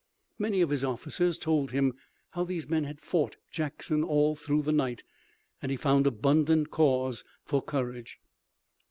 Many of his officers told him how these men had fought Jackson all through the night, and he found abundant cause for courage.